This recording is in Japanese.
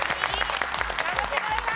頑張ってください。